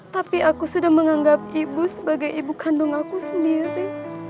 tapi aku sudah menganggap ibu sebagai ibu kandung aku sendiri